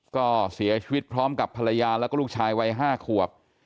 ก็เสียชีวิตพร้อมกับภรรยาแล้วก็ลูกชายวัย๕ขวบ